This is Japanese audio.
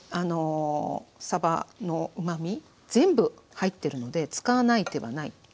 さばのうまみ全部入ってるので使わない手はない。